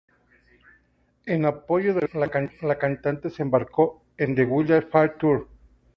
En apoyo del álbum, la cantante se embarcó en "The Wildfire Tour".